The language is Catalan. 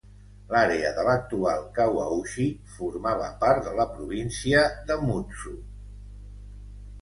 L'àrea de l'actual Kawauchi formava part de la província de Mutsu.